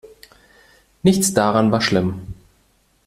Nichts daran war schlimm.